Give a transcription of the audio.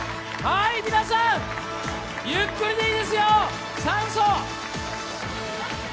皆さん、ゆっくりでいいですよ、酸素を。